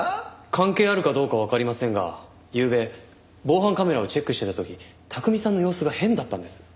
関係あるかどうかわかりませんがゆうべ防犯カメラをチェックしてた時拓海さんの様子が変だったんです。